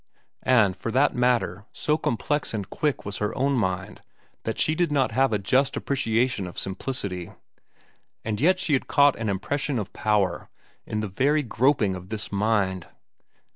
And for that matter so complex and quick was her own mind that she did not have a just appreciation of simplicity. And yet she had caught an impression of power in the very groping of this mind.